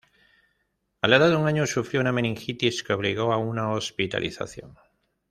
A la edad de un año, sufrió una meningitis que obligó a una hospitalización.